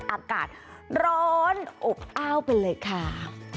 อากาศร้อนอบอ้าวไปเลยค่ะ